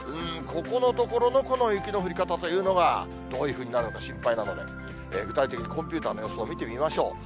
ここのところのこの雪の降り方というのが、どういうふうになるのか、心配なので、具体的にコンピューターの予想見てみましょう。